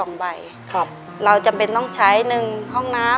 ในแคมเปญพิเศษเกมต่อชีวิตโรงเรียนของหนู